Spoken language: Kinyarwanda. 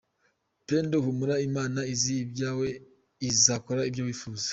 pendo humura imana izi ibyawe izakora ibyo wifuza.